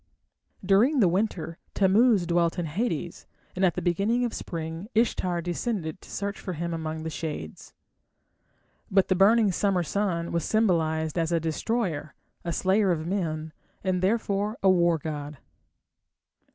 During the winter Tammuz dwelt in Hades, and at the beginning of spring Ishtar descended to search for him among the shades. But the burning summer sun was symbolized as a destroyer, a slayer of men, and therefore a war god.